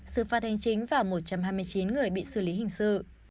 xử phát hành chính và một trăm hai mươi chín người bị xử lý hình sự